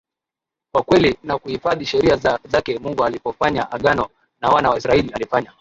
wa kweli na kuhifadhi sheria zake Mungu alipofanya Agano na Wana wa Israel alifanya